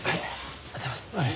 ありがとうございます。